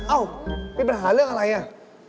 เอ้ามีปัญหาเรื่องอะไรอ่ะ